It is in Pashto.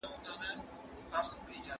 زه اجازه لرم چي لوستل وکړم.